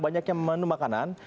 banyaknya menu makanan